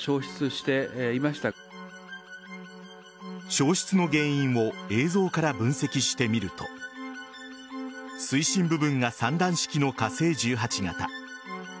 消失の原因を映像から分析してみると推進部分が３段式の火星１８型。